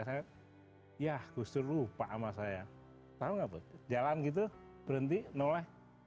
saya yah gus durlah lupa sama saya tahu nggak jalan gitu berhenti noleh